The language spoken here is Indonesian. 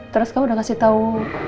terus kamu udah kasih tau